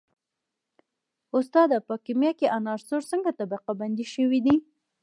استاده په کیمیا کې عناصر څنګه طبقه بندي شوي دي